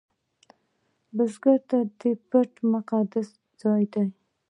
بزګر ته پټی مقدس ځای دی